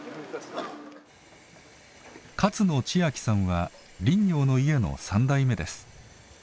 勝野智明さんは林業の家の３代目です。